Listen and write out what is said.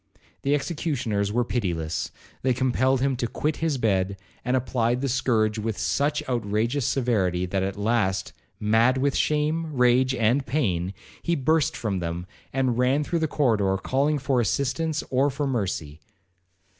The executioners were pitiless. They compelled him to quit his bed, and applied the scourge with such outrageous severity, that at last, mad with shame, rage, and pain, he burst from them, and ran through the corridor calling for assistance or for mercy.